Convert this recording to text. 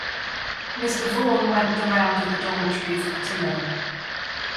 Mr. Vaughan went the round of the dormitories at eleven.